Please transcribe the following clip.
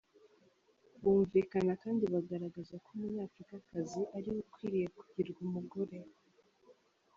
Bumvikana kandi bagaragaza ko umunyafrikakazi ari we ukwiriye kugirwa umugore.